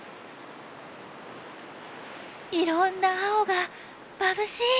いろんな青がまぶしい！